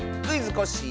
コッシー」